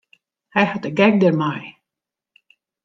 Hy hat de gek dermei.